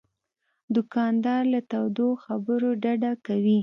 دوکاندار له تودو خبرو ډډه کوي.